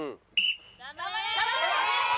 頑張れ！